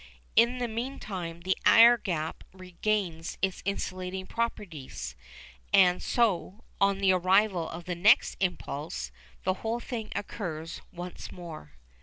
In the meantime the air gap regains its insulating properties, and so, on the arrival of the next impulse, the whole thing occurs once more.